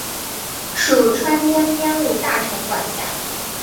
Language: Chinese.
属川滇边务大臣管辖。